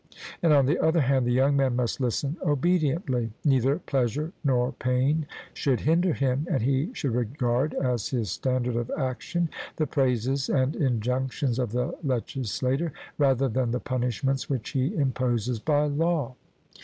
And, on the other hand, the young man must listen obediently; neither pleasure nor pain should hinder him, and he should regard as his standard of action the praises and injunctions of the legislator rather than the punishments which he imposes by law.